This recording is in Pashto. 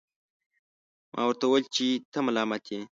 ما ورته وویل چي ته ملامت نه یې.